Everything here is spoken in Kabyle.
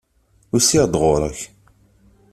Usiɣ-d ɣur-k.